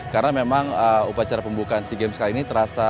karena memang upacara pembukaan sea games kali ini terasa